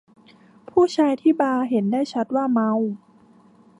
ผู้ชายที่บาร์เห็นได้ชัดว่าเมา